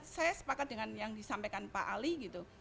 saya sepakat dengan yang disampaikan pak ali gitu